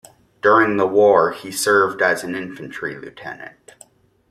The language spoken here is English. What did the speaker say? During the war, he served as an infantry lieutenant.